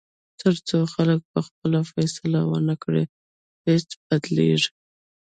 تر څو خلک پخپله فیصله ونه کړي، هیڅ بدلېږي.